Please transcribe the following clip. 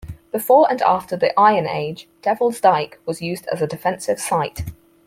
Before and after the Iron Age, Devil's Dyke was used as a defensive site.